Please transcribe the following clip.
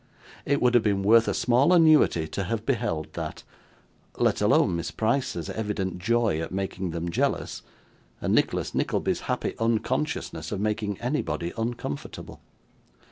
It would have been worth a small annuity to have beheld that; let alone Miss Price's evident joy at making them jealous, and Nicholas Nickleby's happy unconsciousness of making anybody uncomfortable.